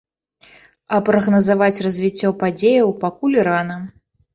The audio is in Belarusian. А прагназаваць развіццё падзеяў пакуль рана.